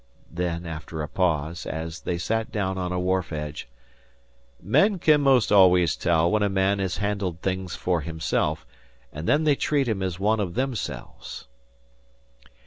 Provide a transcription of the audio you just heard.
Then, after a pause, as they sat down on a wharf edge: "Men can 'most always tell when a man has handled things for himself, and then they treat him as one of themselves."